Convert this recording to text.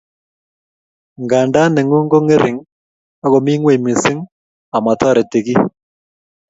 Nganda nengung ko ngering ako mi ngweny missing amotoreti kiy